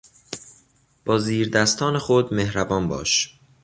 با زیر دستان خود مهربان باش.